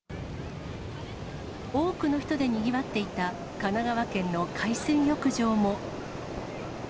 多くの人でにぎわっていた神奈川県の海水浴場も。